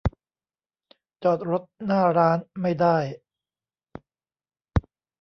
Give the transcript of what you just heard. จอดรถหน้าร้านไม่ได้